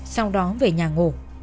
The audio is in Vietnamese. sau đó về nhà ngủ